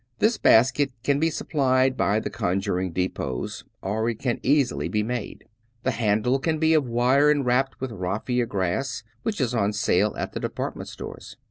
This basket can be supplied by the conjuring depots, or it can easily be made. The handle can be made of wire and wrapped with raffia grass which is on sale at the de partment stores.